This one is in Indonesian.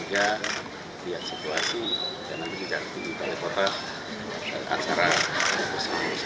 di balai kota anies berangkat ke atas acara perpisahannya